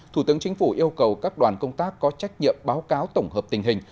thủ tướng chính phủ yêu cầu các đoàn công tác có trách nhiệm báo cáo tổng hợp tình hình